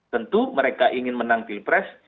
tentu mereka ingin menang pilpres